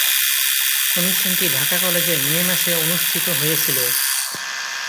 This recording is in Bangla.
অনুষ্ঠানটি ঢাকা কলেজে মে মাসে অনুষ্ঠিত হয়েছিলো।